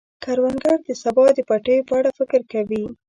کروندګر د سبا د پټیو په اړه فکر کوي